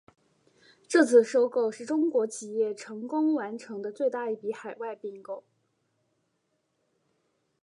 这次收购是中国企业成功完成的最大一笔海外并购。